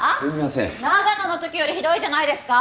長野のときよりひどいじゃないですか！